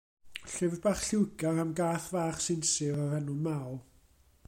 Llyfr bach lliwgar am gath fach sinsir o'r enw Maw.